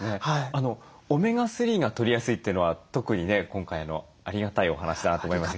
オメガ３がとりやすいというのは特にね今回のありがたいお話だなと思いましたけど。